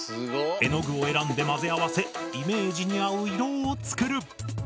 絵の具を選んで混ぜ合わせイメージに合う色を作る。